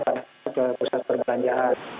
pada pusat perbelanjaan